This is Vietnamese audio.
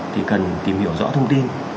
thì cần tìm hiểu rõ thông tin